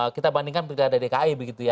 kita bandingkan berada di dki begitu ya